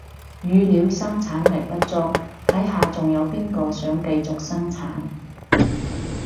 語料生產力不足，睇下仲有邊個想繼續生產